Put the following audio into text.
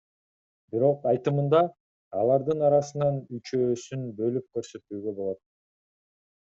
Бирок айтымында, алардын арасынан үчөөсүн бөлүп көрсөтүүгө болот.